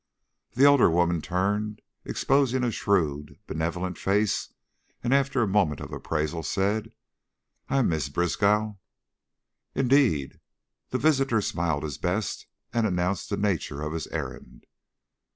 The elder woman turned, exposing a shrewd, benevolent face, and after a moment of appraisal said, "I'm Miz' Briskow." "Indeed!" The visitor smiled his best and announced the nature of his errand.